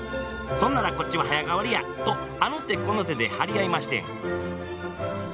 「そんならこっちは早変わりや」とあの手この手で張り合いましてん。